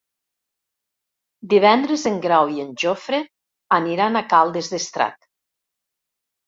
Divendres en Grau i en Jofre aniran a Caldes d'Estrac.